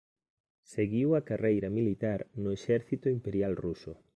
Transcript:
Seguiu a carreira militar no Exército Imperial Ruso.